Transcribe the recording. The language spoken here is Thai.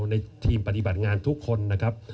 ในทีมปฏิบัติงานทุกคนนะครับ